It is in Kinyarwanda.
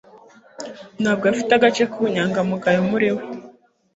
Ntabwo afite agace k'ubunyangamugayo muri we.